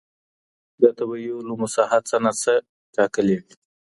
د طبیعي علومو ساحه څه ناڅه ټاکلي وي.